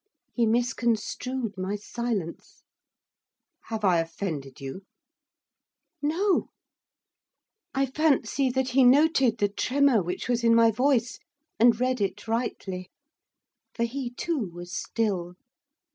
He misconstrued my silence. 'Have I offended you?' 'No.' I fancy that he noted the tremor which was in my voice, and read it rightly. For he too was still.